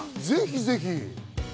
ぜひぜひ。